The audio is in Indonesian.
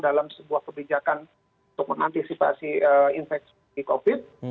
dalam sebuah kebijakan untuk mengantisipasi infeksi covid